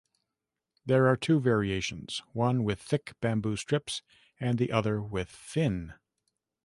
There are two variations, one with thick bamboo strips and the other with thin.